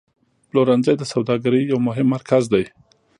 پلورنځی د سوداګرۍ یو مهم مرکز دی.